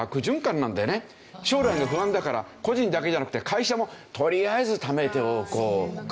将来が不安だから個人だけじゃなくて会社もとりあえず溜めておこう。